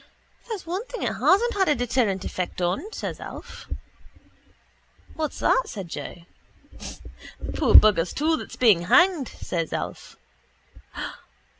—There's one thing it hasn't a deterrent effect on, says Alf. —What's that? says Joe. —The poor bugger's tool that's being hanged, says Alf.